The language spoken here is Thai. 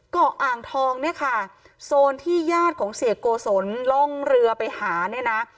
อ่างทองเนี่ยค่ะโซนที่ญาติของเสียโกศลล่องเรือไปหาเนี่ยนะ